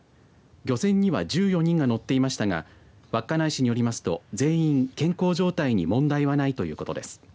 漁船には１４人が乗っていましたが稚内市によりますと全員健康状態に問題はないということです。